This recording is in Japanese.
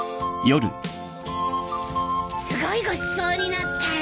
すごいごちそうになったよ！